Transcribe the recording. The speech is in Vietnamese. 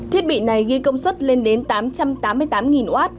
thiết bị này ghi công suất lên đến tám trăm tám mươi tám w